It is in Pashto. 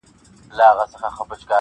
وږمه ځي تر ارغوانه پښه نيولې-